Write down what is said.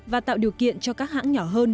và tạo điều kiện cho các hãng nhỏ hơn